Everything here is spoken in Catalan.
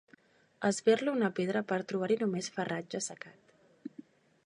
Esberlo una pedra per trobar-hi només farratge assecat.